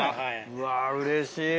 うわうれしい。